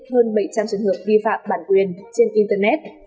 hơn bảy trăm linh trường hợp vi phạm bản quyền trên internet